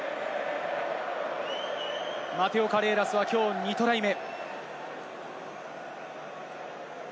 マテオ・カレーラスはきょう２トライ目。